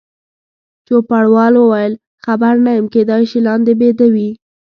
چوپړوال وویل: خبر نه یم، کېدای شي لاندې بیده وي.